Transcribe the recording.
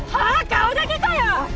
顔だけかよ！